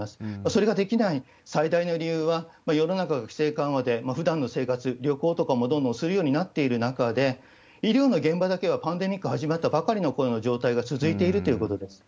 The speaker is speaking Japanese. それができない最大の理由は、世の中が規制緩和で、ふだんの生活、旅行とかもどんどんするようになっている中で、医療の現場だけはパンデミック始まったばかりのころの状態が続いているということです。